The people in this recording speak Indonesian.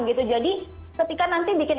gitu jadi ketika nanti bikin